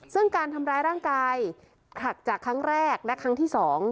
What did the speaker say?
ซึ่งการทำร้ายร่างกายผลักจากครั้งแรกและครั้งที่๒